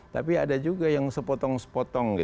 tapi ada juga yang sepotong sepotong